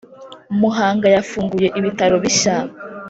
Muhanga yafunguye ibitaro bishya